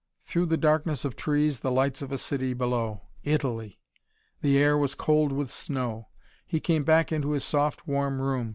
Through the darkness of trees, the lights of a city below. Italy! The air was cold with snow. He came back into his soft, warm room.